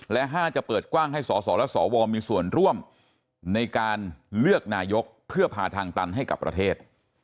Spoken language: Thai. และ๕จะเปิดกว้างให้สสและสวมีส่วนร่วมในการเลือกนายกเพื่อพาทางตันให้กับประเทศ